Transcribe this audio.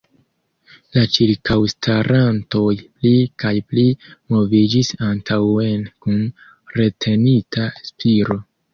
La ĉirkaŭstarantoj pli kaj pli moviĝis antaŭen kun retenita spiro.